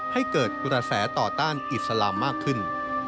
ให้เกิดกระแสต่อต้านอิสลามมากขึ้น